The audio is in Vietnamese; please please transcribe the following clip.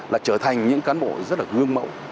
là trở thành những cán bộ rất là gương mẫu